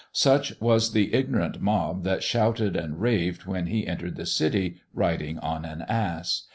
Such was the ignorant mob that shouted and raved when He entered the city riding on an ass.